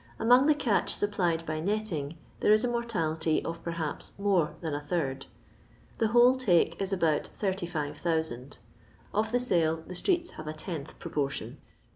Among the catch supplied by netting, there is a mortality of perhaps mere than a third. The whole take is about 85,000. Of the sale the streets have a tenth proportion.